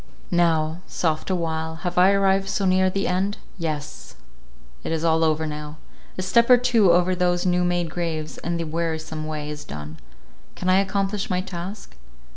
Now—soft awhile—have I arrived so near the end? Yes! it is all over now—a step or two over those new made graves, and the wearisome way is done. Can I accomplish my task?